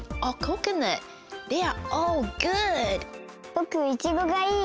ぼくいちごがいい！